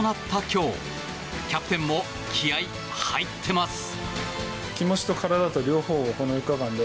今日キャプテンも気合、入ってます。